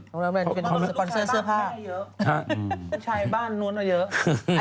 เพราะลูกชายบ้านแท่เยอะลูกชายบ้านนู้นอะเยอะ